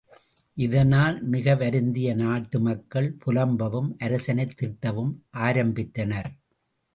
இதனால் மிக வருந்திய நாட்டு மக்கள் புலம்பவும், அரசனைத் திட்டவும் ஆரம்பித்தனர்.